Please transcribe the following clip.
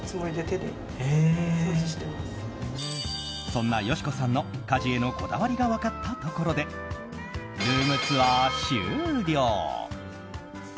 そんな佳子さんの家事へのこだわりが分かったところでルームツアー終了。